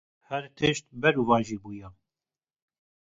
Her tişt berovajî bûye.